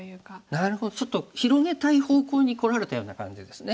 なるほどちょっと広げたい方向にこられたような感じですね。